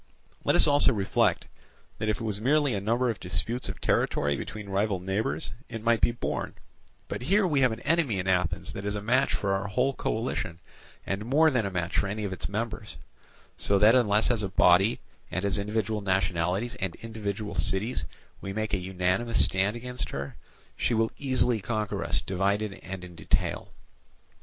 Let us also reflect that if it was merely a number of disputes of territory between rival neighbours, it might be borne; but here we have an enemy in Athens that is a match for our whole coalition, and more than a match for any of its members; so that unless as a body and as individual nationalities and individual cities we make an unanimous stand against her, she will easily conquer us divided and in detail.